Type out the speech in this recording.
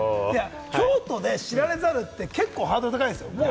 京都で知られざるって、結構ハードル高いですよ。